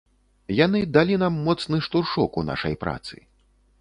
Яны далі нам моцны штуршок у нашай працы.